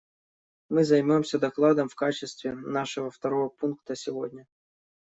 Мы займемся докладом в качестве нашего второго пункта сегодня.